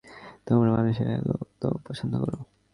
তোমরা মানুষেরা ওটা পছন্দ করো।